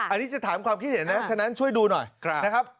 อันนี้จะถามความคิดเห็นนะฉะนั้นช่วยดูหน่อยนะครับ